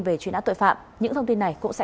về chuyên án tội phạm những thông tin này cũng sẽ